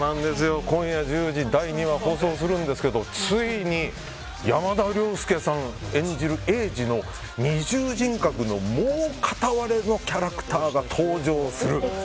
今夜１０時第２話放送するんですけどついに山田涼介さん演じるエイジの二重人格のもう片割れのキャラクターが登場する。